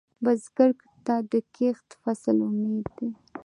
بزګر ته د کښت فصل امید دی